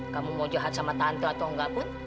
kamu mau jahat sama tante atau enggak pun